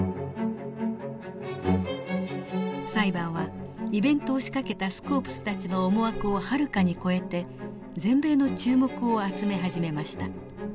裁判はイベントを仕掛けたスコープスたちの思惑をはるかに超えて全米の注目を集め始めました。